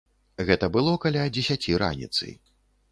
Гэта было каля дзесяці раніцы.